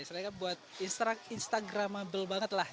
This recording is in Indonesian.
sebenarnya buat instagramable banget lah